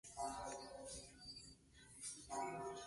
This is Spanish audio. La parte alta de Tortona se extiende sobre siete colinas.